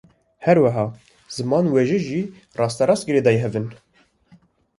Her wiha ziman û wêje jî rasterast girêdayî hev in